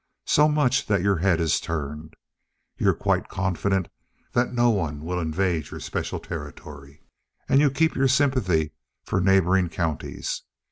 So much that your head is turned. You're quite confident that no one will invade your special territory; and you keep your sympathy for neighboring counties.